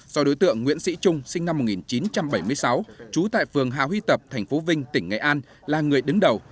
do đối tượng nguyễn sĩ trung sinh năm một nghìn chín trăm bảy mươi sáu trú tại phường hà huy tập tp vinh tỉnh nghệ an là người đứng đầu